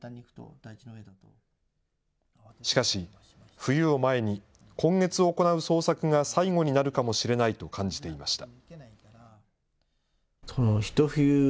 しかし、冬を前に今月行う捜索が最後になるかもしれないと感じていました。